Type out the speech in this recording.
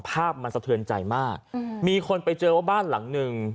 ภาพมันสะเทือนใจมากมีคนไปเจอว่าบ้านหลังหนึ่ง